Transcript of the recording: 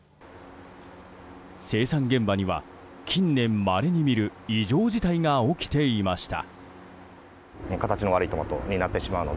生産現場には、近年まれに見る異常事態が起きていました。